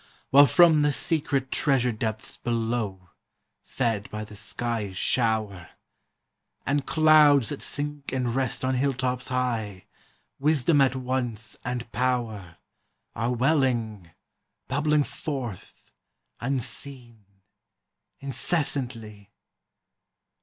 While from the secret treasure depths below, Fed by the skyey shower, And clouds that sink and rest on hill tops high, Wisdom at once, and Power, Are welling, bubbling forth, unseen, incessantly?